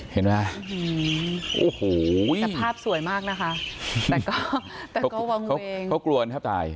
เห็นไหมฮะโอ้โหแต่ภาพสวยมากนะคะแต่ก็แต่ก็วังเวงเขากลัวนะครับจ่าย